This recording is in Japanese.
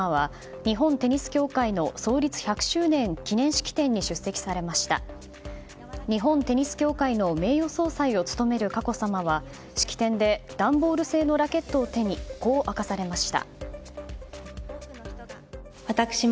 日本テニス協会の名誉総裁を務める佳子さまは、式典で段ボール製のラケットを手にこう明かされました。